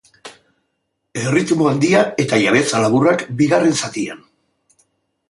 Erritmo handia eta jabetza laburrak bigarren zatian.